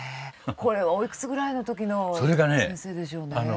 これはおいくつぐらいのときの先生でしょうね。